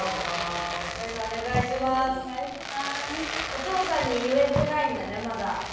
お父さんに言えてないんだね、まだ。